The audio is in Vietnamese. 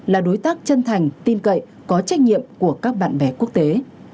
là đối tác chân thành tin cậy có trách nhiệm của các bạn bè quốc tế